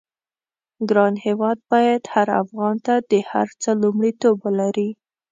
ګران هېواد بايد هر افغان ته د هر څه لومړيتوب ولري.